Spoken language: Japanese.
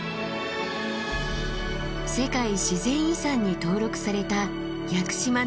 世界自然遺産に登録された屋久島のシンボル！